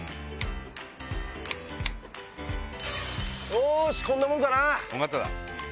よしこんなもんかな。